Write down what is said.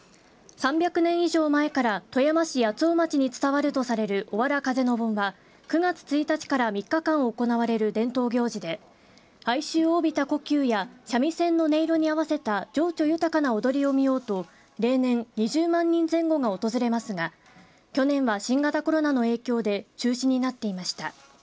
３００年以上前から富山市八尾町に伝わるとされるおわら風の盆は９月１日から３日間行われる伝統行事で、哀愁を帯びた胡弓や三味線の音色にあわせた情緒豊かな踊りを見ようと例年２０万人前後が訪れますが去年は新型コロナの影響で中止になっていました。